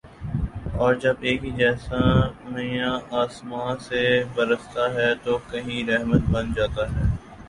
اور جب ایک ہی جیسا مینہ آسماں سے برستا ہے تو کہیں رحمت بن جاتا ہے